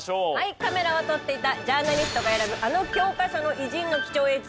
カメラは撮っていたジャーナリストが選ぶあの教科書の偉人の貴重映像。